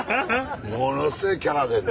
ものすごいキャラでんな。